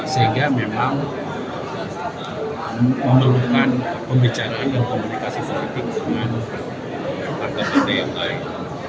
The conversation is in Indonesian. sehingga memang memerlukan pembicaraan dan komunikasi politik dengan partai partai yang lain